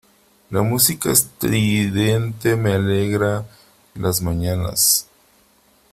La música estridente me alegra las mañanas.